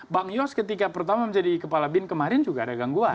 bang yos ketika pertama menjadi kepala bin kemarin juga ada gangguan